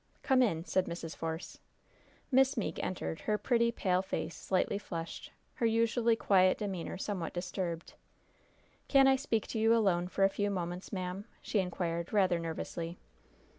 "Come in," said Mrs. Force. Miss Meeke entered, her pretty, pale face slightly flushed, her usually quiet demeanor somewhat disturbed. "Can I speak to you alone for a few moments, ma'am?" she inquired, rather nervously.